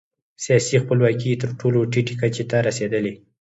سیاسي خپلواکي یې تر ټولو ټیټې کچې ته رسېدلې.